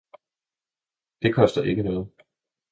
det koster ikke Noget!